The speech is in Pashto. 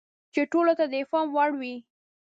چې ټولو ته د افهام وړ وي.